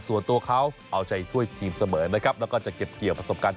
ส่วนตัวเขาเอาใจช่วยทีมเสมอนะครับแล้วก็จะเก็บเกี่ยวประสบการณ์